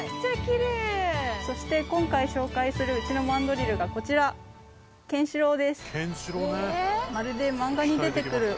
そして今回紹介するうちのマンドリルがこちらお！